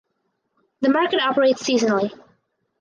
The market operates seasonally.